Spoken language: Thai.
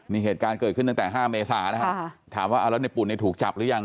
นี่เหตุการณ์เกิดขึ้นตั้งแต่๕เมษานะฮะถามว่าเอาแล้วในปุ่นเนี่ยถูกจับหรือยัง